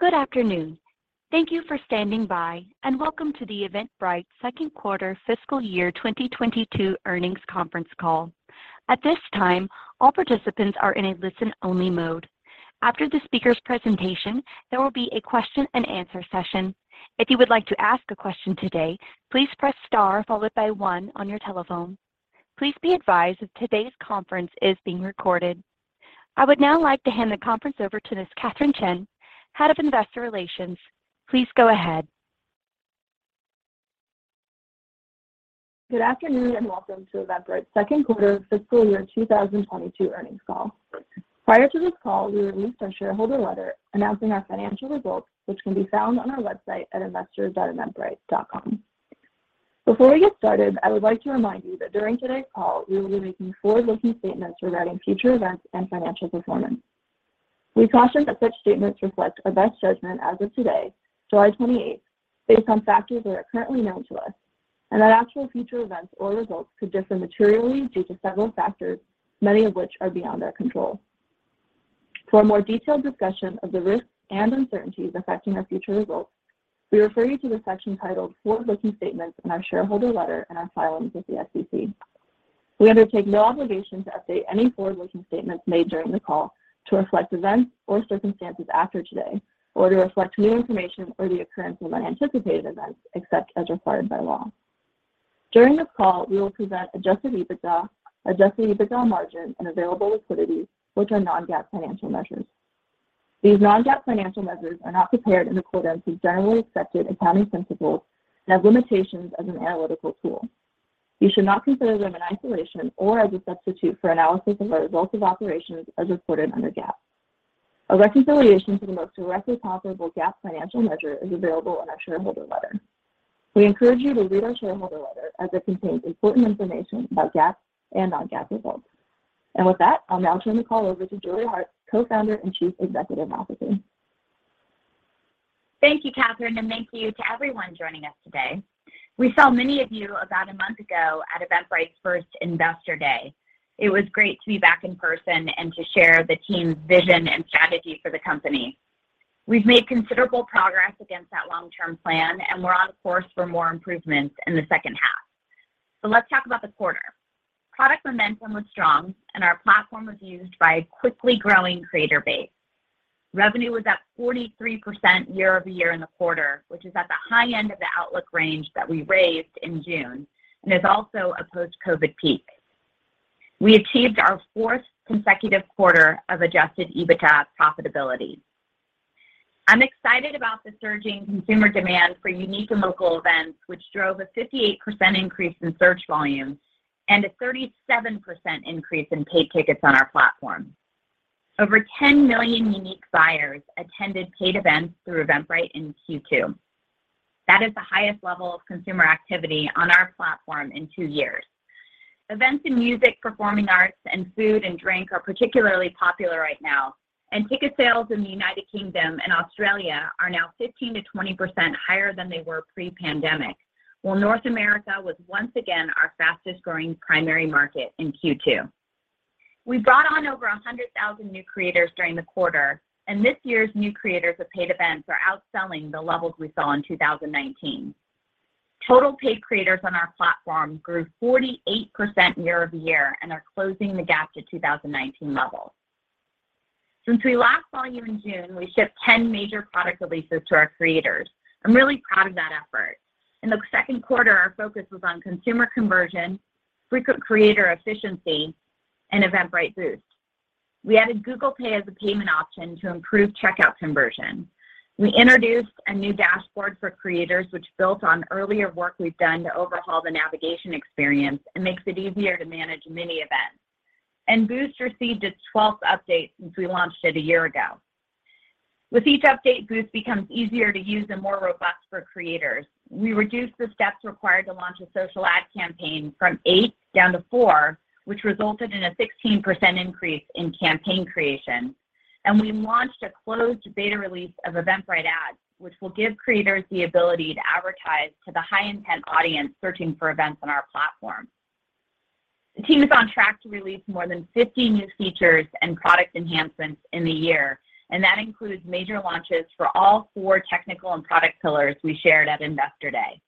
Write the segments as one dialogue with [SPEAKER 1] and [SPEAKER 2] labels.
[SPEAKER 1] Good afternoon. Thank you for standing by, and welcome to the Eventbrite second quarter fiscal year 2022 earnings conference call. At this time, all participants are in a listen-only mode. After the speaker's presentation, there will be a question and answer session. If you would like to ask a question today, please press star followed by one on your telephone. Please be advised that today's conference is being recorded. I would now like to hand the conference over to Ms. Katherine Chen, Head of Investor Relations. Please go ahead.
[SPEAKER 2] Good afternoon, and welcome to Eventbrite's second quarter fiscal year 2022 earnings call. Prior to this call, we released our shareholder letter announcing our financial results, which can be found on our website at investors.eventbrite.com. Before we get started, I would like to remind you that during today's call, we will be making forward-looking statements regarding future events and financial performance. We caution that such statements reflect our best judgment as of today, 28th July, based on factors that are currently known to us, and that actual future events or results could differ materially due to several factors, many of which are beyond our control. For a more detailed discussion of the risks and uncertainties affecting our future results, we refer you to the section titled Forward-Looking Statements in our shareholder letter and our filings with the SEC. We undertake no obligation to update any forward-looking statements made during the call to reflect events or circumstances after today or to reflect new information or the occurrence of unanticipated events, except as required by law. During this call, we will present Adjusted EBITDA, Adjusted EBITDA margin, and available liquidity, which are non-GAAP financial measures. These non-GAAP financial measures are not prepared in accordance with generally accepted accounting principles and have limitations as an analytical tool. You should not consider them in isolation or as a substitute for analysis of our results of operations as reported under GAAP. A reconciliation to the most directly comparable GAAP financial measure is available in our shareholder letter. We encourage you to read our shareholder letter as it contains important information about GAAP and non-GAAP results. With that, I'll now turn the call over to Julia Hartz, Co-founder and Chief Executive Officer.
[SPEAKER 3] Thank you, Katherine, and thank you to everyone joining us today. We saw many of you about a month ago at Eventbrite's first Investor Day. It was great to be back in person and to share the team's vision and strategy for the company. We've made considerable progress against that long-term plan, and we're on course for more improvements in the second half. Let's talk about the quarter. Product momentum was strong and our platform was used by a quickly growing creator base. Revenue was up 43% year-over-year in the quarter, which is at the high end of the outlook range that we raised in June and is also a post-COVID peak. We achieved our fourth consecutive quarter of adjusted EBITDA profitability. I'm excited about the surging consumer demand for unique and local events, which drove a 58% increase in search volume and a 37% increase in paid tickets on our platform. Over 10 million unique buyers attended paid events through Eventbrite in Q2. That is the highest level of consumer activity on our platform in two years. Events in music, performing arts, and food and drink are particularly popular right now, and ticket sales in the United Kingdom and Australia are now 15%-20% higher than they were pre-pandemic. While North America was once again our fastest-growing primary market in Q2, we brought on over 100,000 new creators during the quarter, and this year's new creators of paid events are outselling the levels we saw in 2019. Total paid creators on our platform grew 48% year-over-year and are closing the gap to 2019 levels. Since we last saw you in June, we shipped 10 major product releases to our creators. I'm really proud of that effort. In the second quarter, our focus was on consumer conversion, frequent creator efficiency, and Eventbrite Boost. We added Google Pay as a payment option to improve checkout conversion. We introduced a new dashboard for creators, which built on earlier work we've done to overhaul the navigation experience and makes it easier to manage mini events. Boost received its 12th update since we launched it a year ago. With each update, Boost becomes easier to use and more robust for creators. We reduced the steps required to launch a social ad campaign from 8 down to 4, which resulted in a 16% increase in campaign creation. We launched a closed beta release of Eventbrite Ads, which will give creators the ability to advertise to the high intent audience searching for events on our platform. The team is on track to release more than 50 new features and product enhancements in the year, and that includes major launches for all 4 technical and product pillars we shared at Investor Day.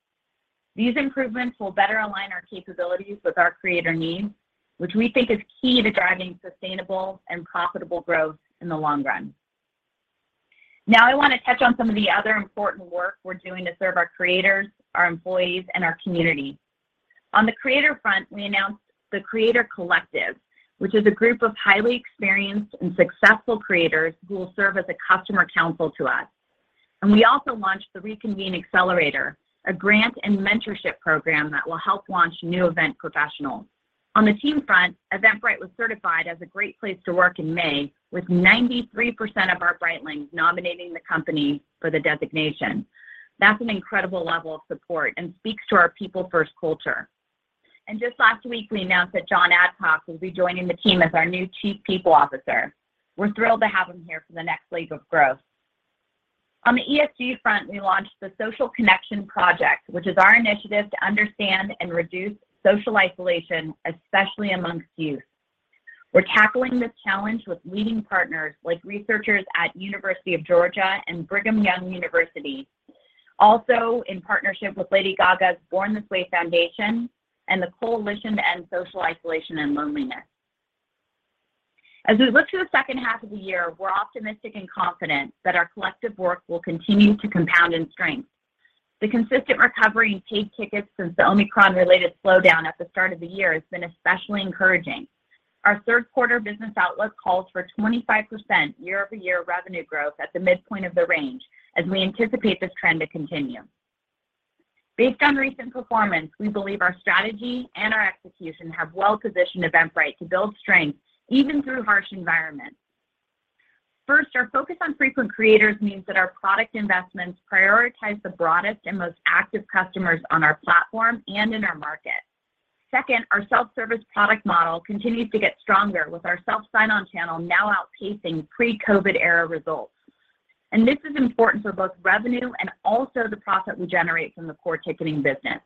[SPEAKER 3] These improvements will better align our capabilities with our creator needs, which we think is key to driving sustainable and profitable growth in the long run. Now, I want to touch on some of the other important work we're doing to serve our creators, our employees, and our community. On the creator front, we announced the Creator Collective, which is a group of highly experienced and successful creators who will serve as a customer council to us. We also launched the Reconvene Accelerator, a grant and mentorship program that will help launch new event professionals. On the team front, Eventbrite was certified as a great place to work in May with 93% of our Brightlings nominating the company for the designation. That's an incredible level of support and speaks to our people-first culture. Just last week, we announced that John Adcock will be joining the team as our new Chief People Officer. We're thrilled to have him here for the next leg of growth. On the ESG front, we launched The Social Connection Project, which is our initiative to understand and reduce social isolation, especially among youth. We're tackling this challenge with leading partners like researchers at University of Georgia and Brigham Young University. Also in partnership with Lady Gaga's Born This Way Foundation and the Coalition to End Social Isolation and Loneliness. As we look to the second half of the year, we're optimistic and confident that our collective work will continue to compound in strength. The consistent recovery in paid tickets since the Omicron-related slowdown at the start of the year has been especially encouraging. Our third quarter business outlook calls for 25% year-over-year revenue growth at the midpoint of the range as we anticipate this trend to continue. Based on recent performance, we believe our strategy and our execution have well-positioned Eventbrite to build strength even through harsh environments. First, our focus on frequent creators means that our product investments prioritize the broadest and most active customers on our platform and in our market. Second, our self-service product model continues to get stronger with our self sign-on channel now outpacing pre-COVID era results. This is important for both revenue and also the profit we generate from the core ticketing business.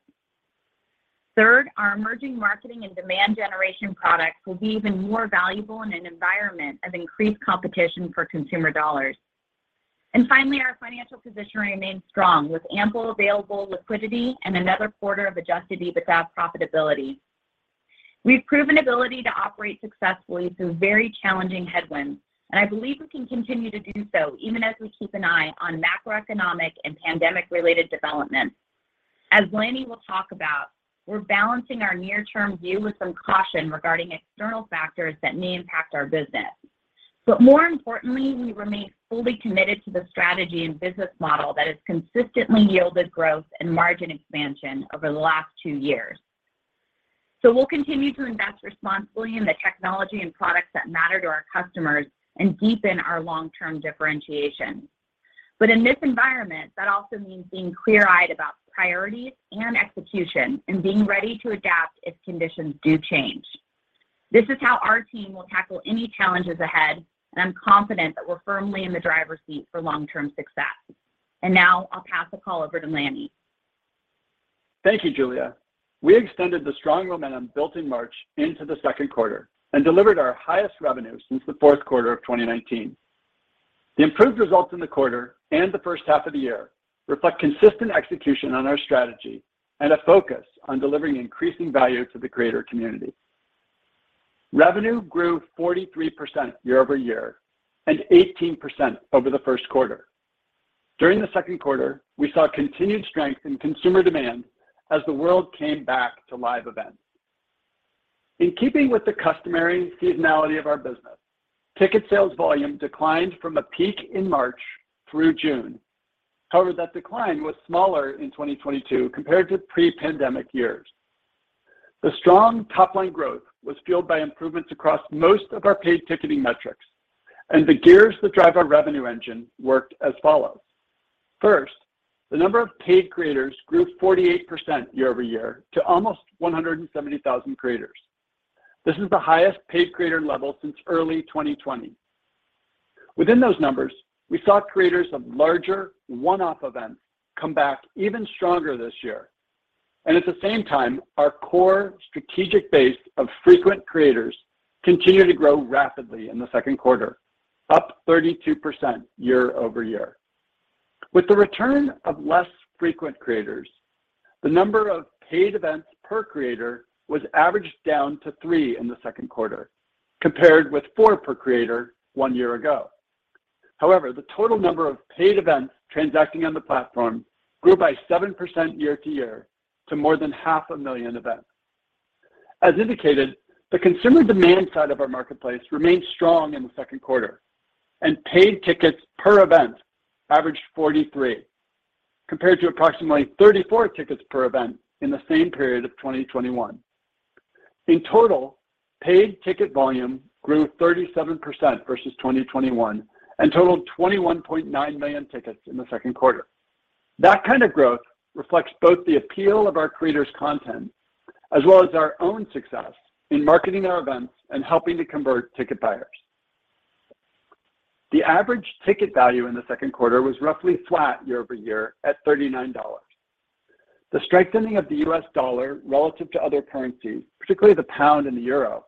[SPEAKER 3] Third, our emerging marketing and demand generation products will be even more valuable in an environment of increased competition for consumer dollars. Finally, our financial position remains strong with ample available liquidity and another quarter of Adjusted EBITDA profitability. We've proven ability to operate successfully through very challenging headwinds, and I believe we can continue to do so even as we keep an eye on macroeconomic and pandemic-related developments. As Lanny will talk about, we're balancing our near-term view with some caution regarding external factors that may impact our business. More importantly, we remain fully committed to the strategy and business model that has consistently yielded growth and margin expansion over the last two years. We'll continue to invest responsibly in the technology and products that matter to our customers and deepen our long-term differentiation. In this environment, that also means being clear-eyed about priorities and execution and being ready to adapt if conditions do change. This is how our team will tackle any challenges ahead, and I'm confident that we're firmly in the driver's seat for long-term success. Now I'll pass the call over to Lanny.
[SPEAKER 4] Thank you, Julia. We extended the strong momentum built in March into the second quarter and delivered our highest revenue since the fourth quarter of 2019. The improved results in the quarter and the first half of the year reflect consistent execution on our strategy and a focus on delivering increasing value to the greater community. Revenue grew 43% year-over-year and 18% over the first quarter. During the second quarter, we saw continued strength in consumer demand as the world came back to live events. In keeping with the customary seasonality of our business, ticket sales volume declined from a peak in March through June. However, that decline was smaller in 2022 compared to pre-pandemic years. The strong top-line growth was fueled by improvements across most of our paid ticketing metrics, and the gears that drive our revenue engine worked as follows. First, the number of paid creators grew 48% year-over-year to almost 170,000 creators. This is the highest paid creator level since early 2020. Within those numbers, we saw creators of larger one-off events come back even stronger this year. At the same time, our core strategic base of frequent creators continued to grow rapidly in the second quarter, up 32% year-over-year. With the return of less frequent creators, the number of paid events per creator was averaged down to three in the second quarter, compared with four per creator one year ago. However, the total number of paid events transacting on the platform grew by 7% year-over-year to more than 500,000 events. As indicated, the consumer demand side of our marketplace remained strong in the second quarter, and paid tickets per event averaged 43, compared to approximately 34 tickets per event in the same period of 2021. In total, paid ticket volume grew 37% versus 2021 and totaled 21.9 million tickets in the second quarter. That kind of growth reflects both the appeal of our creators' content as well as our own success in marketing our events and helping to convert ticket buyers. The average ticket value in the second quarter was roughly flat year over year at $39. The strengthening of the US dollar relative to other currencies, particularly the pound and the euro,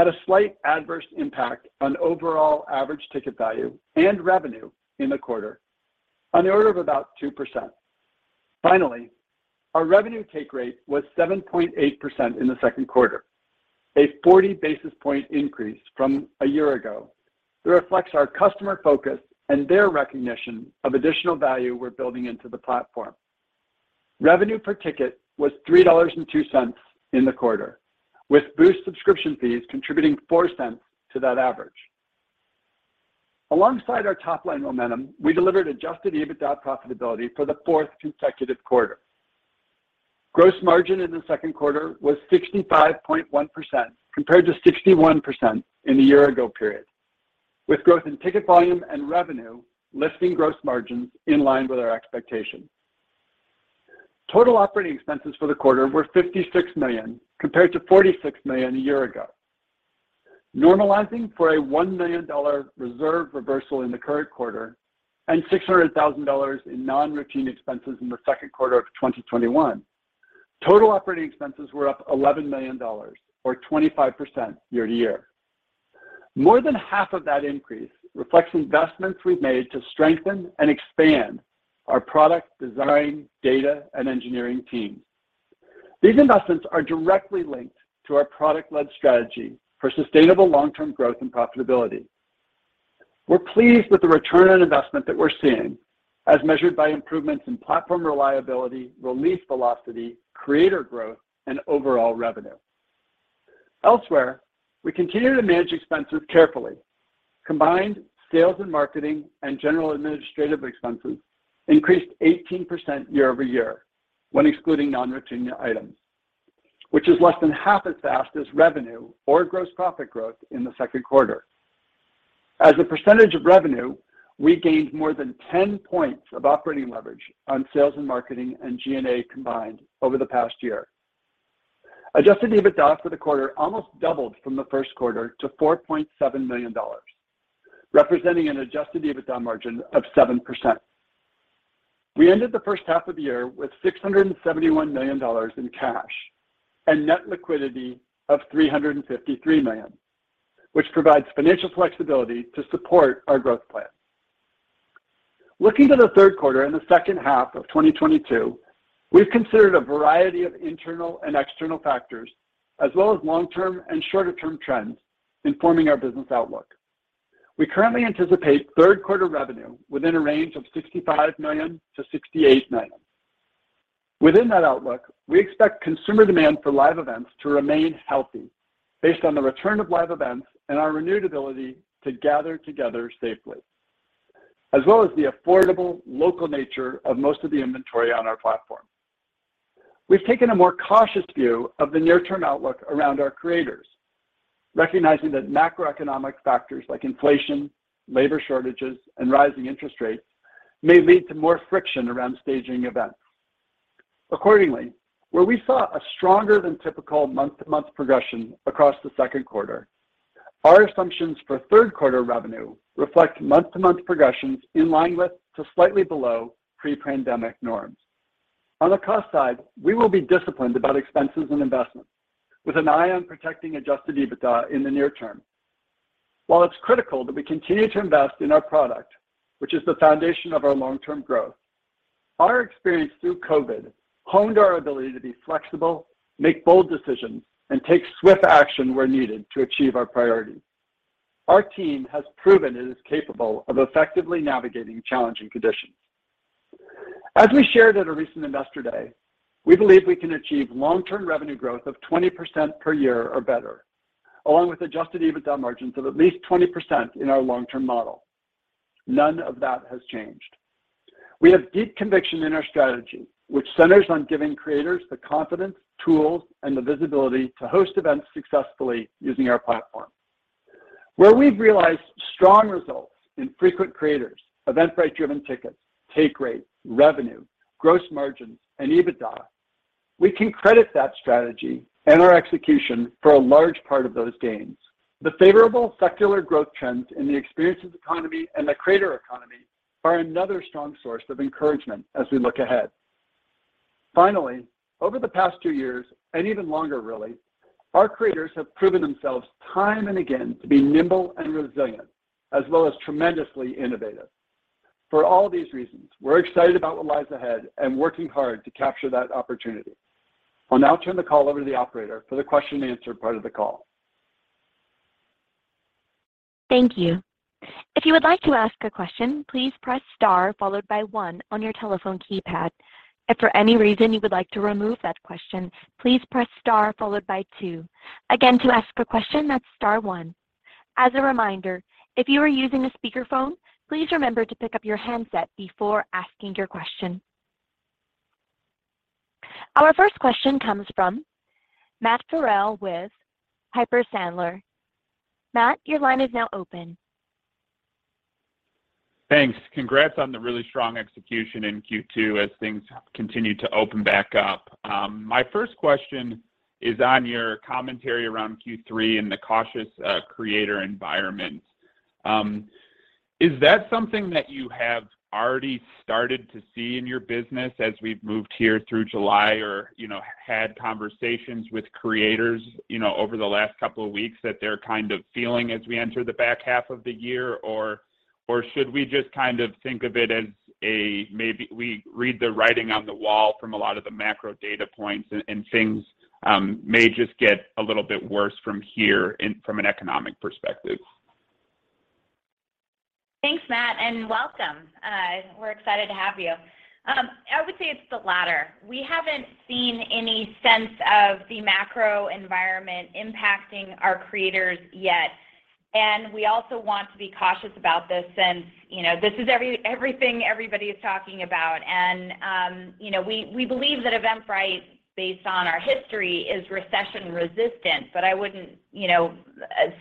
[SPEAKER 4] had a slight adverse impact on overall average ticket value and revenue in the quarter on the order of about 2%. Finally, our revenue take rate was 7.8% in the second quarter, a 40 basis points increase from a year ago that reflects our customer focus and their recognition of additional value we're building into the platform. Revenue per ticket was $3.02 in the quarter, with Boost subscription fees contributing $0.04 to that average. Alongside our top-line momentum, we delivered Adjusted EBITDA profitability for the fourth consecutive quarter. Gross margin in the second quarter was 65.1% compared to 61% in the year-ago period, with growth in ticket volume and revenue lifting gross margins in line with our expectations. Total operating expenses for the quarter were $56 million compared to $46 million a year ago. Normalizing for a $1 million reserve reversal in the current quarter and $600,000 in non-routine expenses in the second quarter of 2021. Total operating expenses were up $11 million or 25% year-over-year. More than half of that increase reflects investments we've made to strengthen and expand our product design, data, and engineering teams. These investments are directly linked to our product-led strategy for sustainable long-term growth and profitability. We're pleased with the return on investment that we're seeing as measured by improvements in platform reliability, release velocity, creator growth, and overall revenue. Elsewhere, we continue to manage expenses carefully. Combined sales and marketing and general administrative expenses increased 18% year-over-year when excluding non-recurring items, which is less than half as fast as revenue or gross profit growth in the second quarter. As a percentage of revenue, we gained more than 10 points of operating leverage on sales and marketing and G&A combined over the past year. Adjusted EBITDA for the quarter almost doubled from the first quarter to $4.7 million, representing an adjusted EBITDA margin of 7%. We ended the first half of the year with $671 million in cash and net liquidity of $353 million, which provides financial flexibility to support our growth plans. Looking to the third quarter and the second half of 2022, we've considered a variety of internal and external factors as well as long-term and shorter-term trends in forming our business outlook. We currently anticipate third quarter revenue within a range of $65 million-$68 million. Within that outlook, we expect consumer demand for live events to remain healthy based on the return of live events and our renewed ability to gather together safely, as well as the affordable local nature of most of the inventory on our platform. We've taken a more cautious view of the near-term outlook around our creators, recognizing that macroeconomic factors like inflation, labor shortages, and rising interest rates may lead to more friction around staging events. Accordingly, where we saw a stronger than typical month-to-month progression across the second quarter, our assumptions for third quarter revenue reflect month-to-month progressions in line with to slightly below pre-pandemic norms. On the cost side, we will be disciplined about expenses and investments with an eye on protecting Adjusted EBITDA in the near term. While it's critical that we continue to invest in our product, which is the foundation of our long-term growth, our experience through COVID honed our ability to be flexible, make bold decisions, and take swift action where needed to achieve our priorities. Our team has proven it is capable of effectively navigating challenging conditions. As we shared at a recent Investor Day, we believe we can achieve long-term revenue growth of 20% per year or better, along with Adjusted EBITDA margins of at least 20% in our long-term model. None of that has changed. We have deep conviction in our strategy, which centers on giving creators the confidence, tools, and the visibility to host events successfully using our platform. Where we've realized strong results in frequent creators, Eventbrite-driven tickets, take rates, revenue, gross margins, and EBITDA, we can credit that strategy and our execution for a large part of those gains. The favorable secular growth trends in the experiences economy and the creator economy are another strong source of encouragement as we look ahead. Finally, over the past two years, and even longer really, our creators have proven themselves time and again to be nimble and resilient, as well as tremendously innovative. For all these reasons, we're excited about what lies ahead and working hard to capture that opportunity. I'll now turn the call over to the operator for the question and answer part of the call.
[SPEAKER 1] Thank you. If you would like to ask a question, please press star followed by one on your telephone keypad. If for any reason you would like to remove that question, please press star followed by two. Again, to ask a question, that's star one. As a reminder, if you are using a speakerphone, please remember to pick up your handset before asking your question. Our first question comes from Matt Farrell with Piper Sandler. Matt, your line is now open.
[SPEAKER 5] Thanks. Congrats on the really strong execution in Q2 as things continue to open back up. My first question is on your commentary around Q3 and the cautious creator environment. Is that something that you have already started to see in your business as we've moved here through July or, you know, had conversations with creators, you know, over the last couple of weeks that they're kind of feeling as we enter the back half of the year? Or, should we just kind of think of it as a maybe we read the writing on the wall from a lot of the macro data points and things may just get a little bit worse from here from an economic perspective?
[SPEAKER 3] Thanks, Matt, and welcome. We're excited to have you. I would say it's the latter. We haven't seen any sense of the macro environment impacting our creators yet. We also want to be cautious about this. You know, this is everything everybody is talking about. You know, we believe that Eventbrite, based on our history, is recession resistant, but I wouldn't, you know,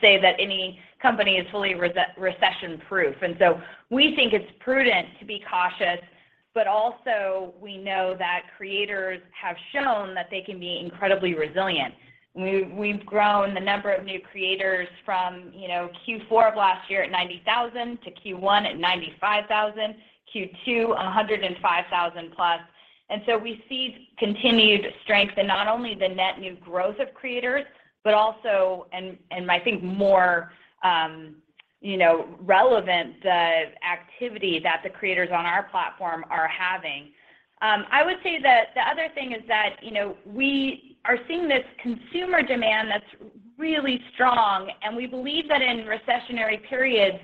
[SPEAKER 3] say that any company is fully recession proof. We think it's prudent to be cautious. We also know that creators have shown that they can be incredibly resilient. We've grown the number of new creators from, you know, Q4 of last year at 90,000 to Q1 at 95,000, Q2 105,000 plus. We see continued strength in not only the net new growth of creators, but also, and I think more, you know, relevant, the activity that the creators on our platform are having. I would say that the other thing is that, you know, we are seeing this consumer demand that's really strong, and we believe that in recessionary periods,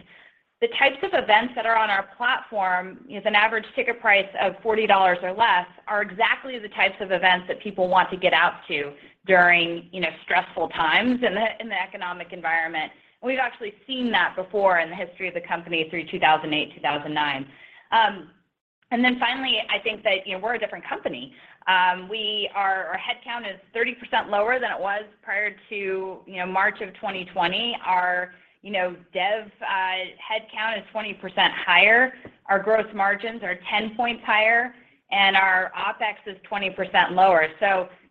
[SPEAKER 3] the types of events that are on our platform is an average ticket price of $40 or less, are exactly the types of events that people want to get out to during, you know, stressful times in the economic environment. We've actually seen that before in the history of the company through 2008, 2009. Finally, I think that, you know, we're a different company. Our headcount is 30% lower than it was prior to, you know, March of 2020. Our dev headcount is 20% higher. Our gross margins are 10 points higher and our OpEx is 20% lower.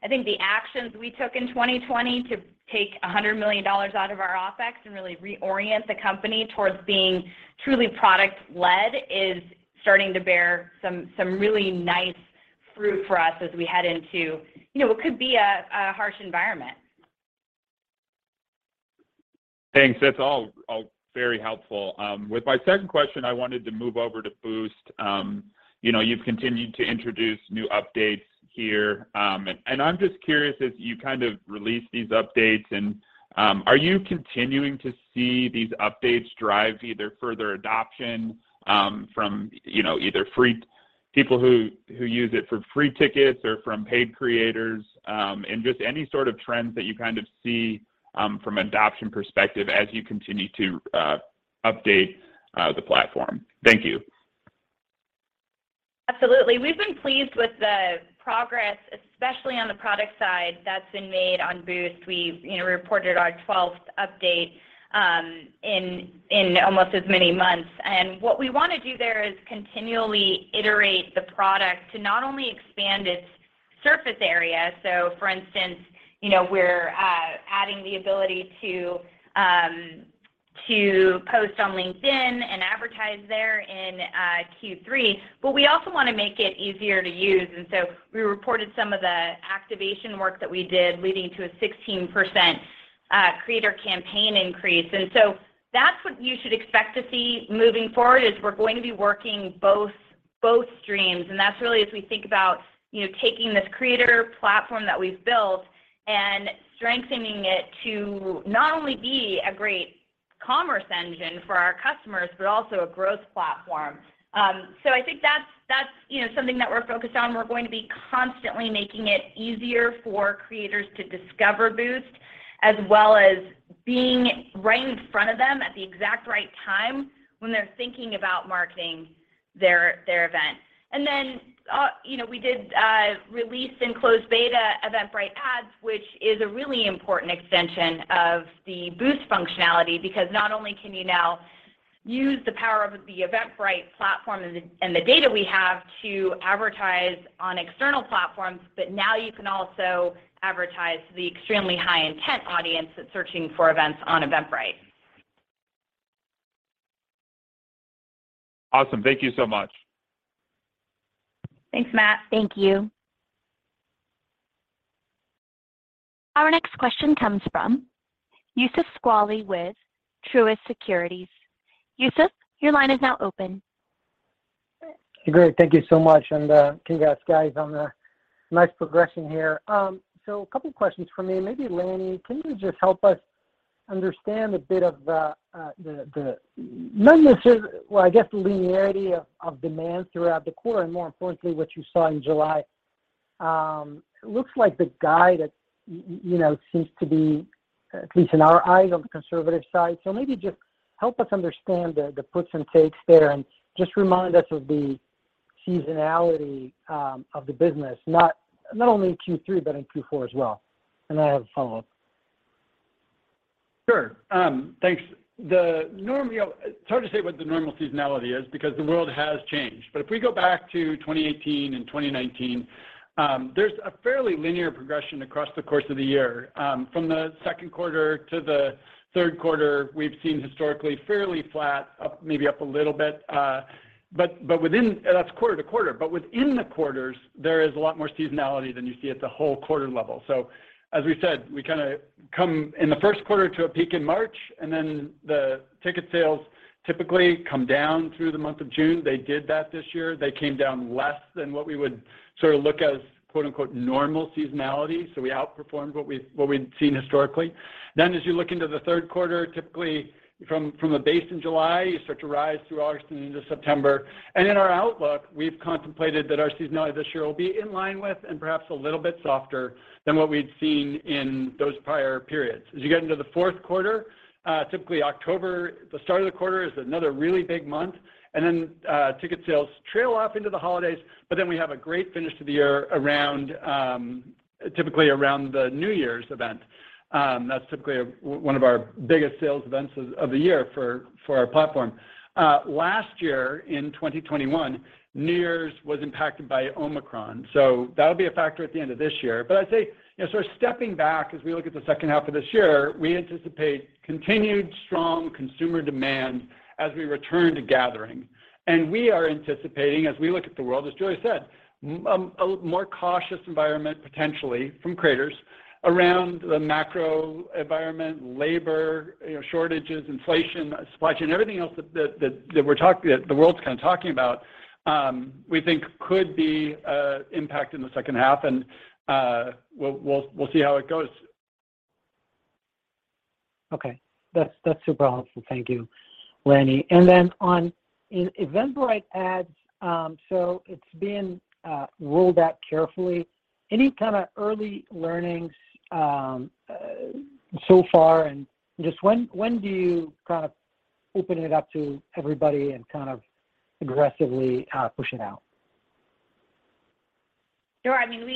[SPEAKER 3] I think the actions we took in 2020 to take $100 million out of our OpEx and really reorient the company towards being truly product led is starting to bear some really nice fruit for us as we head into, you know, what could be a harsh environment.
[SPEAKER 5] Thanks. That's all very helpful. With my second question, I wanted to move over to Boost. You know, you've continued to introduce new updates here. I'm just curious as you kind of release these updates and are you continuing to see these updates drive either further adoption from you know either free people who use it for free tickets or from paid creators and just any sort of trends that you kind of see from adoption perspective as you continue to update the platform? Thank you.
[SPEAKER 3] Absolutely. We've been pleased with the progress, especially on the product side that's been made on Boost. We've, you know, reported our 12th update in almost as many months. What we wanna do there is continually iterate the product to not only expand its surface area, so for instance, you know, we're adding the ability to post on LinkedIn and advertise there in Q3, but we also wanna make it easier to use. We reported some of the activation work that we did leading to a 16% creator campaign increase. That's what you should expect to see moving forward, is we're going to be working both streams. That's really as we think about, you know, taking this creator platform that we've built and strengthening it to not only be a great commerce engine for our customers, but also a growth platform. I think that's, you know, something that we're focused on. We're going to be constantly making it easier for creators to discover Boost as well as being right in front of them at the exact right time when they're thinking about marketing their event. You know, we did release in closed beta Eventbrite Ads, which is a really important extension of the Boost functionality because not only can you now use the power of the Eventbrite platform and the data we have to advertise on external platforms, but now you can also advertise to the extremely high intent audience that's searching for events on Eventbrite.
[SPEAKER 5] Awesome. Thank you so much.
[SPEAKER 3] Thanks, Matt. Thank you.
[SPEAKER 1] Our next question comes from Youssef Squali with Truist Securities. Youssef, your line is now open.
[SPEAKER 6] Great. Thank you so much, and, congrats guys on the nice progression here. A couple questions from me. Maybe Lanny, can you just help us understand a bit of the linearity of demand throughout the quarter, and more importantly, what you saw in July. It looks like the guide that you know, seems to be, at least in our eyes, on the conservative side. Maybe just help us understand the puts and takes there and just remind us of the seasonality of the business, not only in Q3, but in Q4 as well. Then I have a follow-up.
[SPEAKER 4] Sure. Thanks. You know, it's hard to say what the normal seasonality is because the world has changed. If we go back to 2018 and 2019, there's a fairly linear progression across the course of the year. From the second quarter to the third quarter, we've seen historically fairly flat, up, maybe up a little bit. That's quarter to quarter, but within the quarters there is a lot more seasonality than you see at the whole quarter level. As we said, we kinda come in the first quarter to a peak in March, and then the ticket sales typically come down through the month of June. They did that this year. They came down less than what we would sort of look as quote unquote "normal seasonality." We outperformed what we'd seen historically. As you look into the third quarter, typically from a base in July, you start to rise through August into September. In our outlook, we've contemplated that our seasonality this year will be in line with, and perhaps a little bit softer than what we'd seen in those prior periods. As you get into the fourth quarter, typically October, the start of the quarter is another really big month, and then ticket sales trail off into the holidays, but then we have a great finish to the year around, typically around the New Year's event. That's typically one of our biggest sales events of the year for our platform. Last year in 2021, New Year's was impacted by Omicron, so that'll be a factor at the end of this year. I'd say, you know, sort of stepping back as we look at the second half of this year, we anticipate continued strong consumer demand as we return to gathering. We are anticipating as we look at the world, as Julia said, a more cautious environment potentially from creators around the macro environment, labor, you know, shortages, inflation, supply chain, everything else that the world's kind of talking about, we think could be impact in the second half and we'll see how it goes.
[SPEAKER 6] Okay. That's super helpful. Thank you, Lanny. On Eventbrite Ads, it's being rolled out carefully. Any kind of early learnings so far? Just when do you kind of open it up to everybody and kind of aggressively push it out?
[SPEAKER 3] Sure. I mean,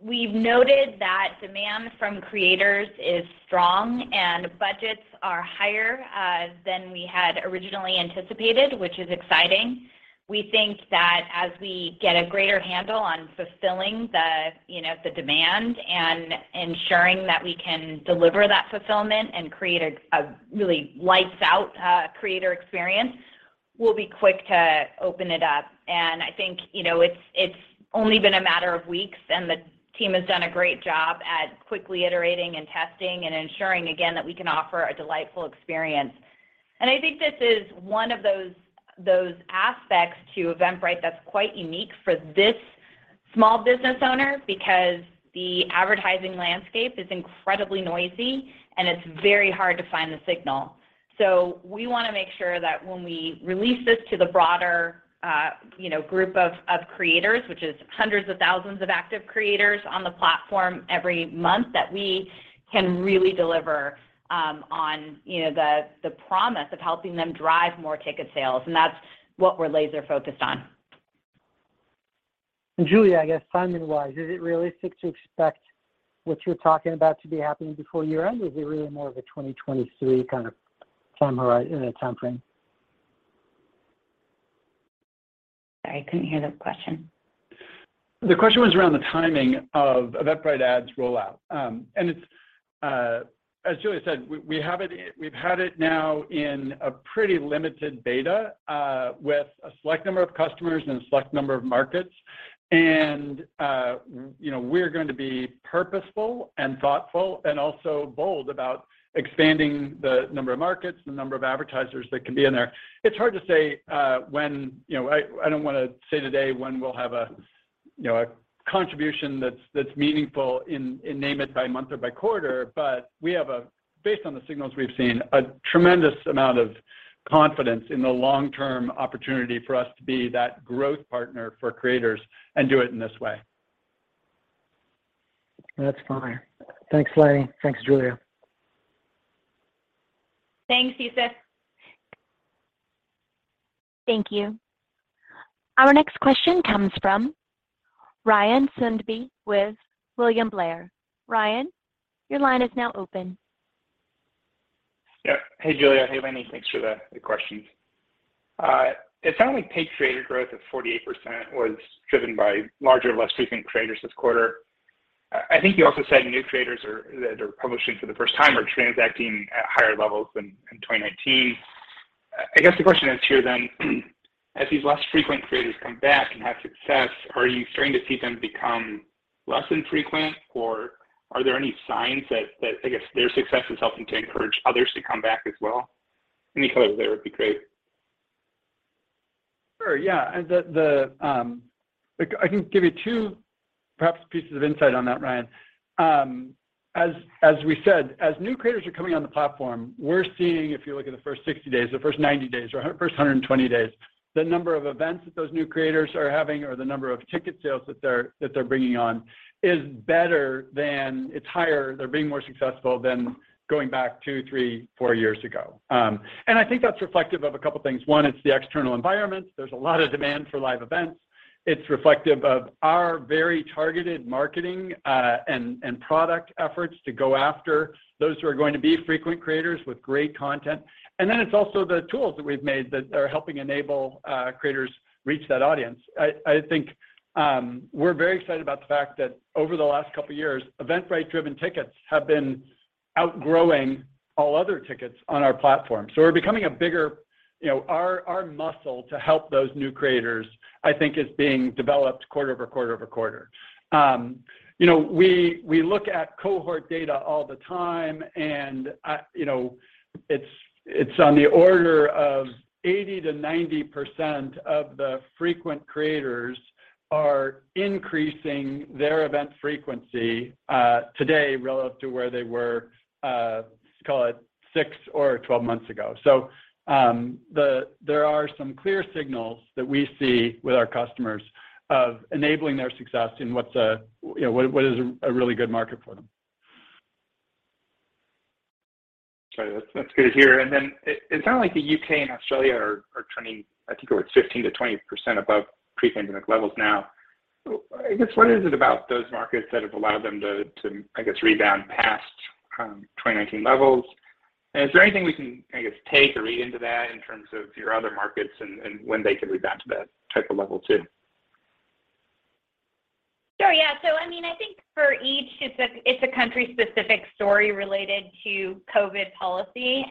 [SPEAKER 3] we've noted that demand from creators is strong, and budgets are higher than we had originally anticipated, which is exciting. We think that as we get a greater handle on fulfilling you know the demand and ensuring that we can deliver that fulfillment and create a really lights out creator experience, we'll be quick to open it up. I think you know it's only been a matter of weeks, and the team has done a great job at quickly iterating and testing and ensuring again that we can offer a delightful experience. I think this is one of those aspects to Eventbrite that's quite unique for this small business owner because the advertising landscape is incredibly noisy, and it's very hard to find the signal. We wanna make sure that when we release this to the broader, you know, group of creators, which is hundreds of thousands of active creators on the platform every month, that we can really deliver on, you know, the promise of helping them drive more ticket sales, and that's what we're laser focused on.
[SPEAKER 6] Julia, I guess timing-wise, is it realistic to expect what you're talking about to be happening before year-end? Or is it really more of a 2023 kind of timeline, time frame?
[SPEAKER 3] Sorry, I couldn't hear the question.
[SPEAKER 4] The question was around the timing of Eventbrite Ads rollout. It's, as Julie said, we have it. We've had it now in a pretty limited beta with a select number of customers and a select number of markets. You know, we're going to be purposeful and thoughtful and also bold about expanding the number of markets, the number of advertisers that can be in there. It's hard to say when. You know, I don't want to say today when we'll have a contribution that's meaningful in name it by month or by quarter, but we have, based on the signals we've seen, a tremendous amount of confidence in the long-term opportunity for us to be that growth partner for creators and do it in this way.
[SPEAKER 6] That's fine. Thanks, Lanny. Thanks, Julia.
[SPEAKER 3] Thanks, Youssef Squali.
[SPEAKER 1] Thank you. Our next question comes from Ryan Sundby with William Blair. Ryan, your line is now open.
[SPEAKER 7] Hey, Julia. Hey, Lanny. Thanks for the questions. It sounds like paid creator growth of 48% was driven by larger, less frequent creators this quarter. I think you also said new creators that are publishing for the first time are transacting at higher levels than in 2019. I guess the question is here then, as these less frequent creators come back and have success, are you starting to see them become less infrequent, or are there any signs that their success is helping to encourage others to come back as well? Any color there would be great.
[SPEAKER 4] Sure, yeah. Like I can give you two perhaps pieces of insight on that, Ryan. As we said, as new creators are coming on the platform, we're seeing, if you look at the first 60 days, the first 90 days, or first 120 days, the number of events that those new creators are having or the number of ticket sales that they're bringing on is higher. They're being more successful than going back two, three, four years ago. I think that's reflective of a couple things. One, it's the external environment. There's a lot of demand for live events. It's reflective of our very targeted marketing and product efforts to go after those who are going to be frequent creators with great content. It's also the tools that we've made that are helping enable creators reach that audience. I think we're very excited about the fact that over the last couple years, Eventbrite-driven tickets have been outgrowing all other tickets on our platform. We're becoming a bigger you know, our muscle to help those new creators, I think, is being developed quarter over quarter over quarter. You know, we look at cohort data all the time and you know, it's on the order of 80%-90% of the frequent creators are increasing their event frequency today relative to where they were call it six or 12 months ago. So, the There are some clear signals that we see with our customers of enabling their success in what is a, you know, a really good market for them.
[SPEAKER 7] Sorry, that's good to hear. It sounds like the U.K. and Australia are trending, I think it was 15%-20% above pre-pandemic levels now. What is it about those markets that have allowed them to, I guess, rebound past 2019 levels? Is there anything we can, I guess, take or read into that in terms of your other markets and when they could rebound to that type of level too?
[SPEAKER 3] Sure, yeah. I mean, I think for each it's a country specific story related to COVID policy.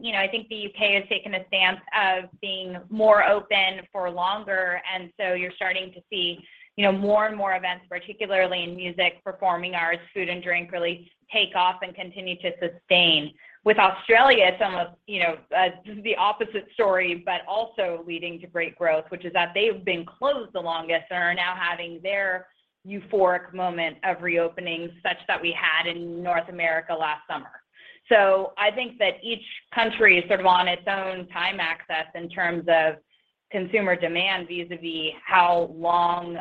[SPEAKER 3] You know, I think the U.K. has taken a stance of being more open for longer. You're starting to see, you know, more and more events, particularly in music, performing arts, food and drink really take off and continue to sustain. With Australia, it's almost, you know, just the opposite story, but also leading to great growth, which is that they've been closed the longest and are now having their euphoric moment of reopening such that we had in North America last summer. I think that each country is sort of on its own timeline in terms of consumer demand, vis-à-vis how long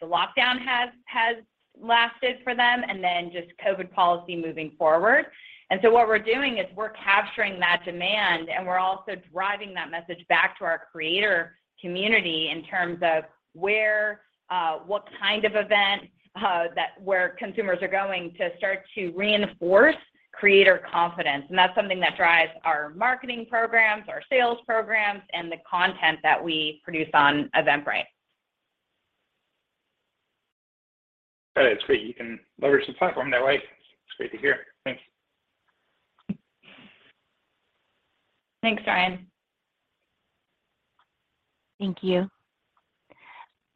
[SPEAKER 3] the lockdown has lasted for them, and then just COVID policy moving forward. What we're doing is we're capturing that demand, and we're also driving that message back to our creator community in terms of where what kind of event that consumers are going to start to reinforce creator confidence. That's something that drives our marketing programs, our sales programs, and the content that we produce on Eventbrite.
[SPEAKER 7] All right. That's great. You can leverage the platform that way. It's great to hear. Thanks.
[SPEAKER 3] Thanks, Ryan.
[SPEAKER 1] Thank you.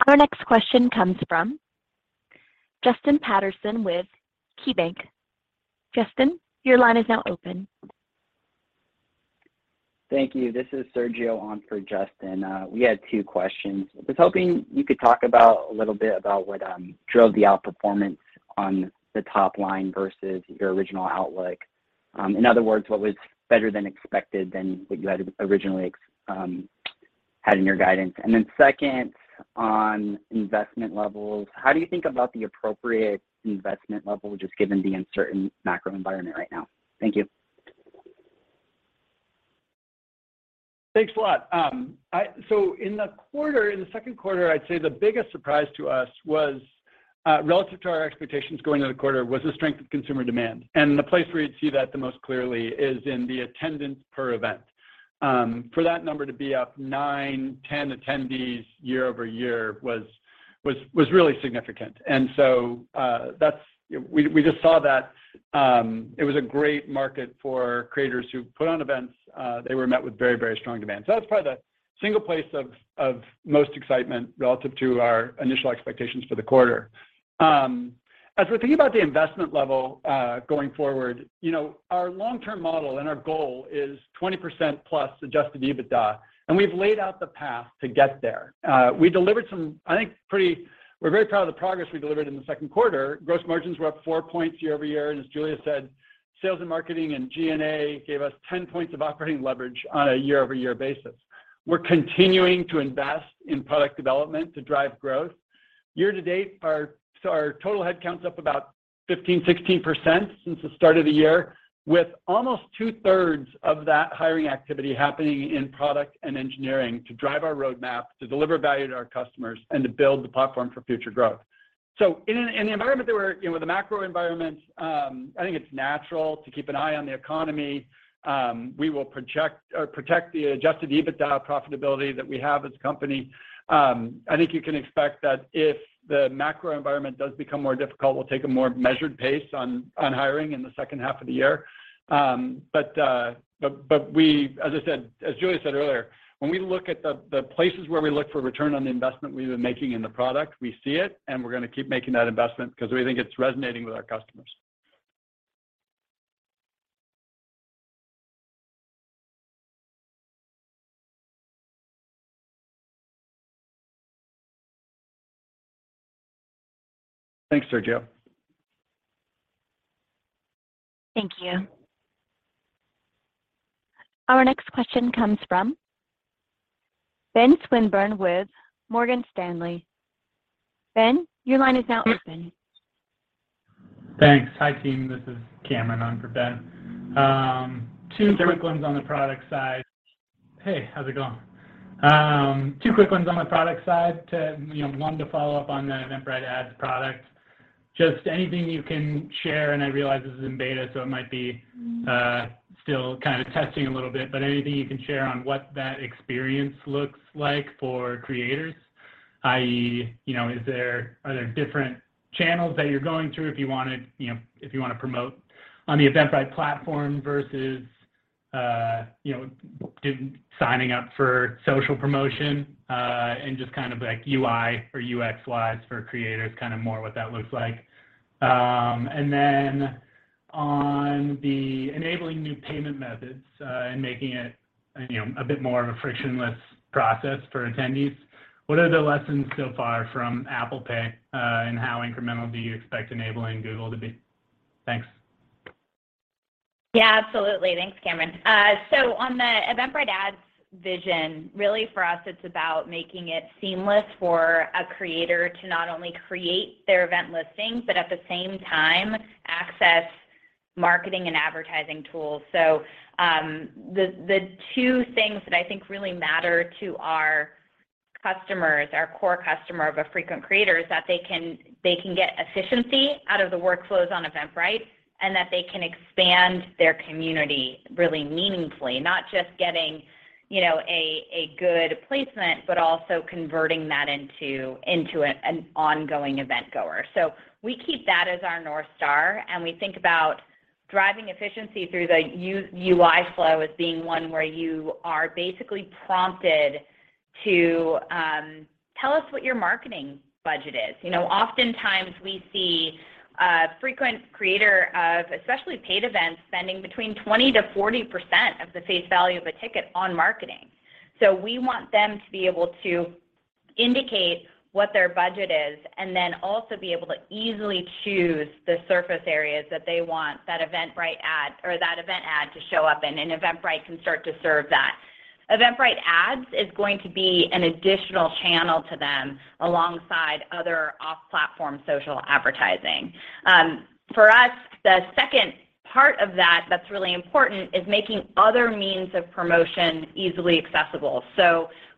[SPEAKER 1] Our next question comes from Justin Patterson with KeyBank. Justin, your line is now open.
[SPEAKER 8] Thank you. This is Sergio on for Justin. We had two questions. I was hoping you could talk about a little bit about what drove the outperformance on the top line versus your original outlook. In other words, what was better than expected than what you had originally had in your guidance? Second, on investment levels, how do you think about the appropriate investment level just given the uncertain macro environment right now? Thank you.
[SPEAKER 4] Thanks a lot. In the quarter, in the second quarter, I'd say the biggest surprise to us was relative to our expectations going into the quarter, was the strength of consumer demand. The place where you'd see that the most clearly is in the attendance per event. For that number to be up 9-10 attendees year-over-year was really significant. We just saw that it was a great market for creators who put on events. They were met with very strong demand. That's probably the single place of most excitement relative to our initial expectations for the quarter. As we think about the investment level going forward, you know, our long-term model and our goal is 20%+ adjusted EBITDA, and we've laid out the path to get there. We're very proud of the progress we delivered in the second quarter. Gross margins were up four points year-over-year, and as Julia said, sales and marketing and G&A gave us 10 points of operating leverage on a year-over-year basis. We're continuing to invest in product development to drive growth. Year to date, our total head count's up about 15%-16% since the start of the year, with almost two-thirds of that hiring activity happening in product and engineering to drive our roadmap, to deliver value to our customers, and to build the platform for future growth. In the environment that we're, you know, with the macro environment, I think it's natural to keep an eye on the economy. We will project or protect the Adjusted EBITDA profitability that we have as a company. I think you can expect that if the macro environment does become more difficult, we'll take a more measured pace on hiring in the second half of the year. As I said, as Julia said earlier, when we look at the places where we look for return on the investment we've been making in the product, we see it, and we're gonna keep making that investment because we think it's resonating with our customers. Thanks, Sergio.
[SPEAKER 1] Thank you. Our next question comes from Benjamin Swinburne with Morgan Stanley. Ben, your line is now open.
[SPEAKER 9] Thanks. Hi, team. This is Cameron on for Ben Swinburne. Two quick ones on the product side. So, you know, one to follow up on the Eventbrite Ads product. Just anything you can share, and I realize this is in beta, so it might be still kind of testing a little bit, but anything you can share on what that experience looks like for creators, i.e., you know, are there different channels that you're going through if you wanna promote on the Eventbrite platform versus signing up for social promotion, and just kind of like UI or UX wise for creators, kind of more what that looks like.
[SPEAKER 7] On the enabling new payment methods, and making it, you know, a bit more of a frictionless process for attendees, what are the lessons so far from Apple Pay, and how incremental do you expect enabling Google Pay to be? Thanks.
[SPEAKER 3] Yeah, absolutely. Thanks, Cameron. On the Eventbrite Ads vision. Really for us, it's about making it seamless for a creator to not only create their event listing, but at the same time access marketing and advertising tools. The two things that I think really matter to our customers, our core customer, a frequent creator, is that they can get efficiency out of the workflows on Eventbrite, and that they can expand their community really meaningfully. Not just getting a good placement, but also converting that into an ongoing event goer. We keep that as our North Star, and we think about driving efficiency through the UI flow as being one where you are basically prompted to tell us what your marketing budget is. You know, oftentimes we see a frequent creator of especially paid events spending between 20%-40% of the face value of a ticket on marketing. We want them to be able to indicate what their budget is, and then also be able to easily choose the surfaces that they want that Eventbrite Ads or that event ad to show up in, and Eventbrite can start to serve that. Eventbrite Ads is going to be an additional channel to them alongside other off-platform social advertising. For us, the second part of that that's really important is making other means of promotion easily accessible.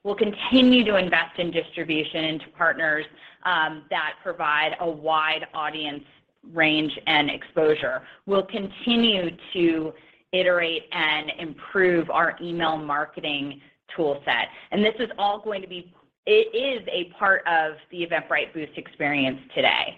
[SPEAKER 3] We'll continue to invest in distribution into partners that provide a wide audience range and exposure. We'll continue to iterate and improve our email marketing tool set. This is all going to be. It is a part of the Eventbrite Boost experience today.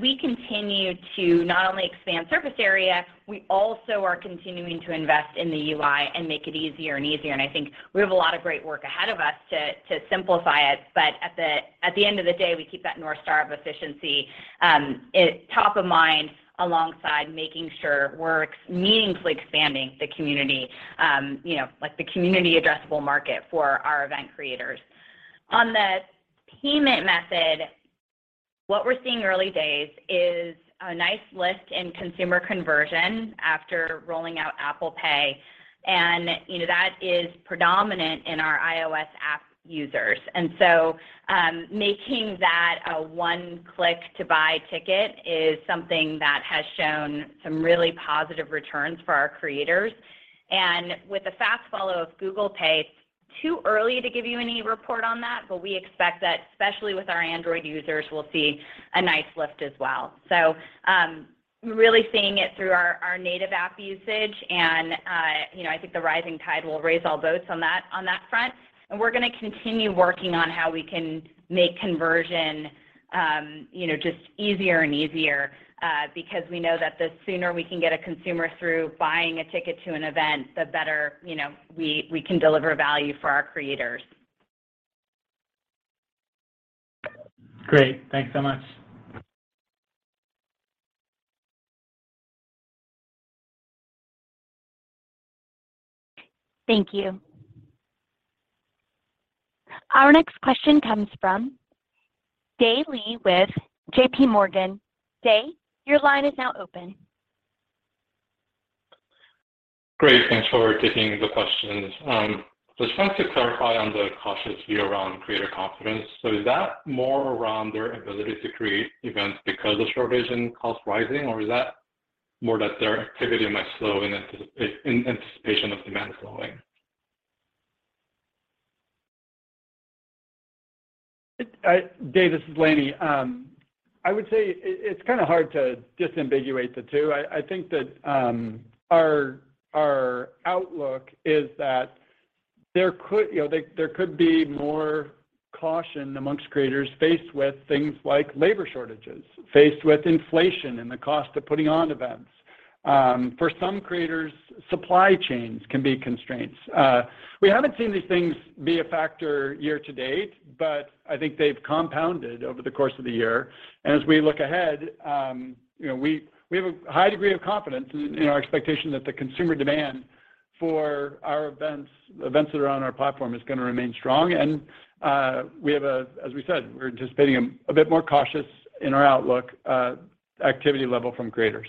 [SPEAKER 3] We continue to not only expand surface area, we also are continuing to invest in the UI and make it easier and easier. I think we have a lot of great work ahead of us to simplify it. At the end of the day, we keep that North Star of efficiency top of mind alongside making sure we're meaningfully expanding the community, you know, like the community addressable market for our event creators. On the payment method, what we're seeing early days is a nice lift in consumer conversion after rolling out Apple Pay. You know, that is predominant in our iOS app users. Making that a one-click to buy ticket is something that has shown some really positive returns for our creators. With the fast follow of Google Pay, it's too early to give you any report on that, but we expect that, especially with our Android users, we'll see a nice lift as well. We're really seeing it through our native app usage and, you know, I think the rising tide will raise all boats on that front. We're gonna continue working on how we can make conversion, you know, just easier and easier, because we know that the sooner we can get a consumer through buying a ticket to an event, the better, you know, we can deliver value for our creators.
[SPEAKER 4] Great. Thanks so much.
[SPEAKER 1] Thank you. Our next question comes from Dae Lee with JP Morgan. Dae, your line is now open.
[SPEAKER 10] Great. Thanks for taking the questions. I just want to clarify on the cautious view around creator confidence. Is that more around their ability to create events because of short-term costs rising, or is that more that their activity might slow in anticipation of demand slowing?
[SPEAKER 4] Dae, this is Lanny. I would say it's kind of hard to disambiguate the two. I think that our outlook is that there could, you know, there could be more caution amongst creators faced with things like labor shortages, faced with inflation and the cost of putting on events. For some creators, supply chains can be constraints. We haven't seen these things be a factor year to date, but I think they've compounded over the course of the year. As we look ahead, you know, we have a high degree of confidence in our expectation that the consumer demand for our events that are on our platform is gonna remain strong. As we said, we're anticipating a bit more cautious in our outlook, activity level from creators.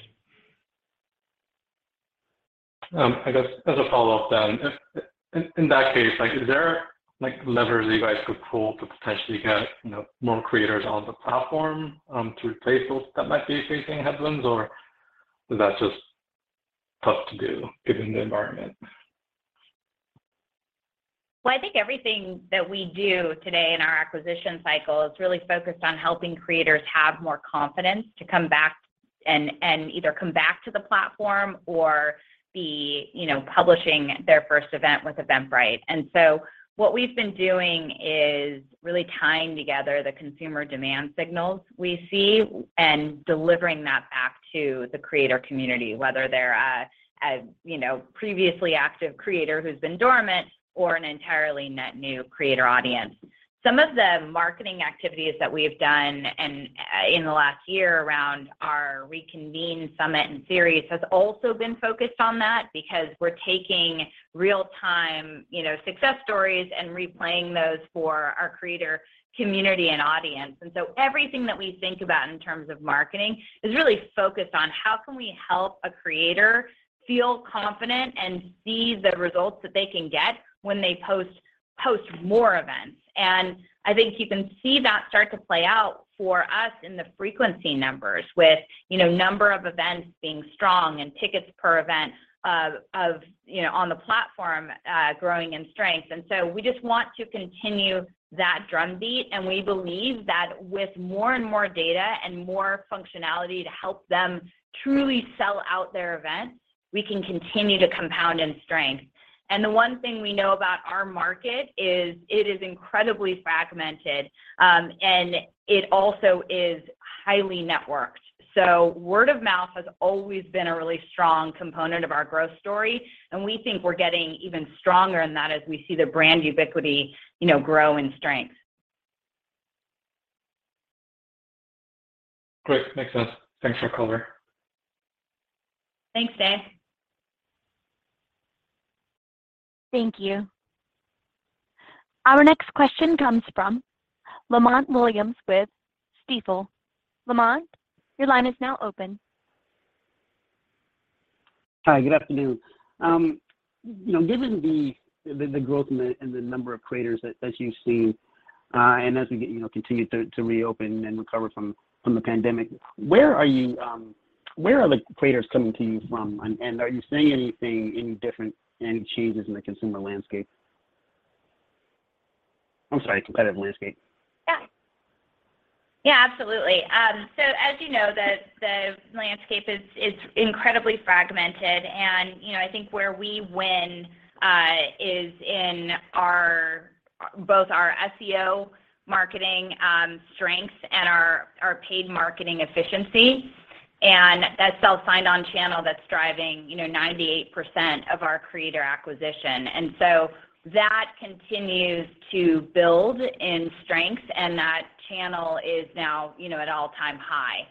[SPEAKER 10] I guess as a follow-up, if in that case, like is there like levers you guys could pull to potentially get, you know, more creators on the platform, to replace those that might be facing headwinds? Is that just tough to do given the environment?
[SPEAKER 3] Well, I think everything that we do today in our acquisition cycle is really focused on helping creators have more confidence to come back and either come back to the platform or be, you know, publishing their first event with Eventbrite. What we've been doing is really tying together the consumer demand signals we see and delivering that back to the creator community, whether they're a, you know, previously active creator who's been dormant or an entirely net new creator audience. Some of the marketing activities that we've done and in the last year around our Reconvene Summit and series has also been focused on that because we're taking real time, you know, success stories and replaying those for our creator community and audience. Everything that we think about in terms of marketing is really focused on how can we help a creator feel confident and see the results that they can get when they host more events. I think you can see that start to play out for us in the frequency numbers with, you know, number of events being strong and tickets per event, you know, on the platform growing in strength. We just want to continue that drumbeat, and we believe that with more and more data and more functionality to help them truly sell out their events, we can continue to compound in strength. The one thing we know about our market is it is incredibly fragmented, and it also is highly networked. Word of mouth has always been a really strong component of our growth story, and we think we're getting even stronger in that as we see the brand ubiquity, you know, grow in strength.
[SPEAKER 10] Great. Makes sense. Thanks for the cover.
[SPEAKER 3] Thanks, Dae Lee.
[SPEAKER 1] Thank you. Our next question comes from Lamont Williams with Stifel. Lamont, your line is now open.
[SPEAKER 11] Hi, good afternoon. You know, given the growth in the number of creators that you've seen, and as we continue to reopen and recover from the pandemic, where are the creators coming to you from and are you seeing anything different, any changes in the consumer landscape? I'm sorry, competitive landscape.
[SPEAKER 3] Yeah. Yeah, absolutely. So as you know, the landscape is incredibly fragmented and, you know, I think where we win is in our both our SEO marketing strengths and our paid marketing efficiency and that self sign-on channel that's driving, you know, 98% of our creator acquisition. That continues to build in strength, and that channel is now, you know, at all-time high.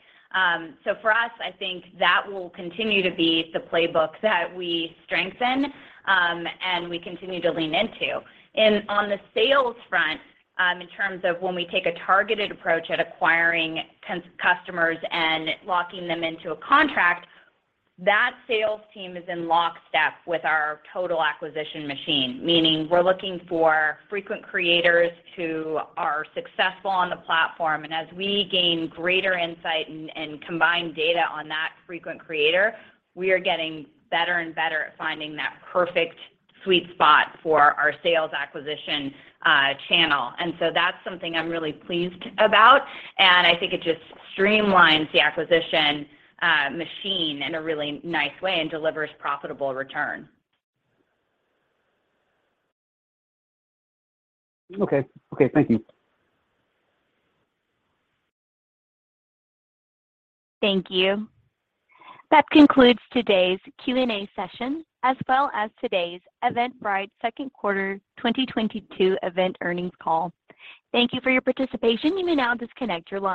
[SPEAKER 3] So for us, I think that will continue to be the playbook that we strengthen, and we continue to lean into. On the sales front, in terms of when we take a targeted approach at acquiring customers and locking them into a contract, that sales team is in lockstep with our total acquisition machine, meaning we're looking for frequent creators who are successful on the platform. As we gain greater insight and combine data on that frequent creator, we are getting better and better at finding that perfect sweet spot for our sales acquisition channel. That's something I'm really pleased about, and I think it just streamlines the acquisition machine in a really nice way and delivers profitable return.
[SPEAKER 11] Okay. Okay, thank you.
[SPEAKER 1] Thank you. That concludes today's Q&A session, as well as today's Eventbrite second quarter 2022 event earnings call. Thank you for your participation. You may now disconnect your line.